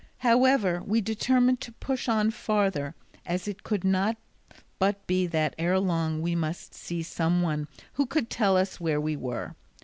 However, we determined to push on farther, as it could not but be that ere long we must see some one who could tell us where we were.